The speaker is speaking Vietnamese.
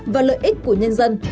và lợi ích của nhân dân